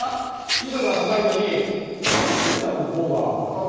緯度が高いのにアムステルダムのほうが暖かいだろ？